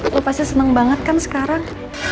lo pasti seneng banget kan sekarang